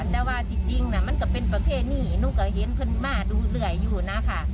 แต่ว่าที่จริงมันก็เป็นประเภทนี้หนูก็เห็นเพื่อนม่าดูเรื่อยอยู่นะคะ